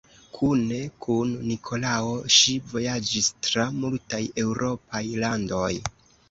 Kune kun Nikolao ŝi vojaĝis tra multaj eŭropaj landoj.